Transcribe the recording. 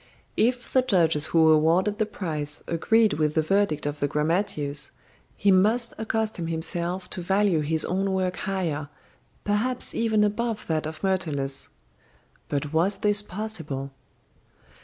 If the judges who awarded the prize agreed with the verdict of the grammateus, he must accustom himself to value his own work higher, perhaps even above that of Myrtilus. But was this possible?